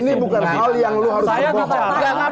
ini bukan hal yang lo harus sebut